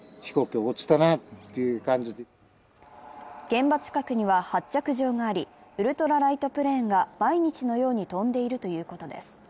現場近くには発着場がありウルトラライトプレーンが毎日のように飛んでいるということです。